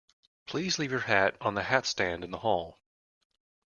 Please leave your hat on the hatstand in the hall